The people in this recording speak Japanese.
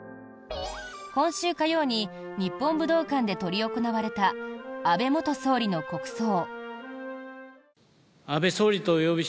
今週火曜に日本武道館で執り行われた安倍元総理の国葬。